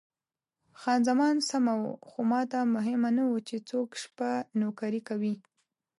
خان زمان سمه وه، خو ماته مهمه نه وه چې څوک شپه نوکري کوي.